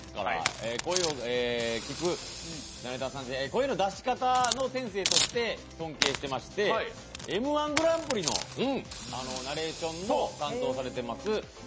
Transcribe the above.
声の出し方の先生として尊敬していまして、「Ｍ−１」グランプリのナレーションを担当されてます